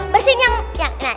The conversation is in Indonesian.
bersihin yang yang yang